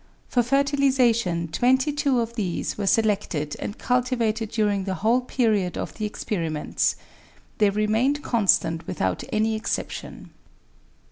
For fertilisation twenty two of these were selected and cultivated during the whole period of the experiments. They remained constant without any exception.